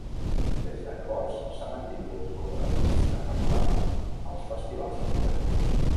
Des de llavors s'ha mantingut com un artista regular als festivals europeus.